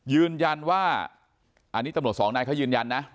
ยืนยันว่าอันนี้ตำรวจสองนายเขายืนยันนะ